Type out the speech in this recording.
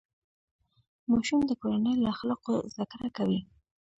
ماشوم د کورنۍ له اخلاقو زده کړه کوي.